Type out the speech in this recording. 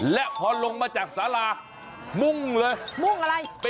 และพอลงมาจากสรามุ่งเลย